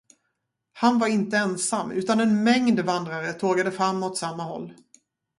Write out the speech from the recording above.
Han var inte ensam utan en mängd vandrare tågade fram åt samma håll.